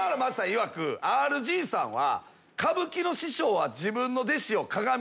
いわくＲＧさんは。